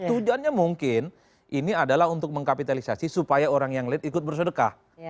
tujuannya mungkin ini adalah untuk mengkapitalisasi supaya orang yang lead ikut bersodekah